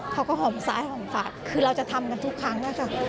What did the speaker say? หอมซ้ายหอมฝาดคือเราจะทำกันทุกครั้งค่ะ